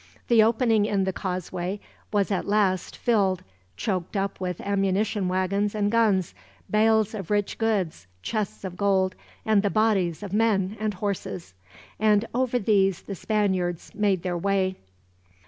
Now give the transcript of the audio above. The opening in the causeway was at last filled choked up with ammunition wagons and guns, bales of rich goods, chests of gold, and the bodies of men and horses and over these the Spaniards made their way.